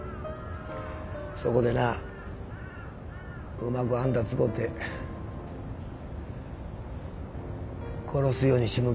そこでなうまくあんた使うて殺すようにしむけよったんや。